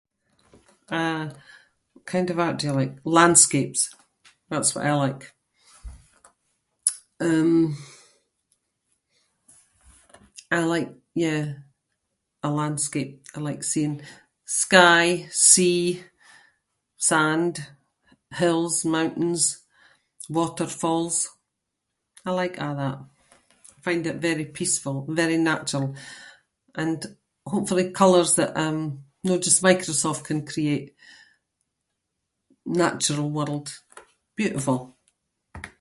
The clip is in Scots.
Eh, what kind of art do you like? Landscapes. That’s what I like. Um, I like, yeah, a landscape. I like seeing sky, sea, sand, hills, mountains, waterfalls. I like a’ that. I find it very peaceful and very natural and hopefully colours that um no just Microsoft can create. Natural world. Beautiful.